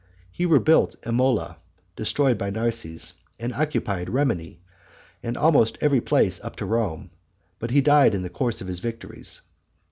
He rebuilt Imola, destroyed by Narses, and occupied Remini and almost every place up to Rome; but he died in the course of his victories.